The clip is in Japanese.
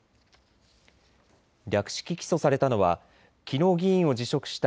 略式起訴されたのはきのう議員を辞職した